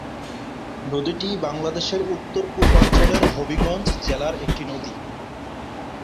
নদীটি বাংলাদেশের উত্তর-পূর্বাঞ্চলের হবিগঞ্জ জেলার একটি নদী।